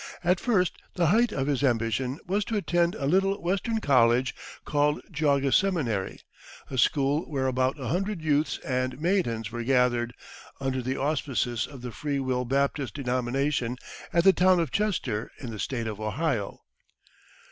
At first the height of his ambition was to attend a little Western college called Geauga Seminary, a school where about a hundred youths and maidens were gathered, under the auspices of the Free will Baptist denomination, at the town of Chester in the State of Ohio.